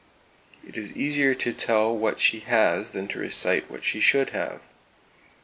It is easier to tell what she has than to recite what she should have.